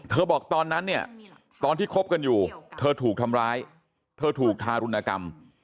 บอกตอนนั้นเนี่ยตอนที่คบกันอยู่เธอถูกทำร้ายเธอถูกทารุณกรรม